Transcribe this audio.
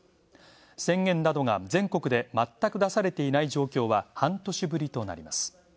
宣言などが全国で全く出されていない状況は半年ぶりとなります。